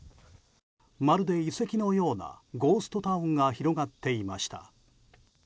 まるで遺跡のようなゴーストタウンが広がっていました。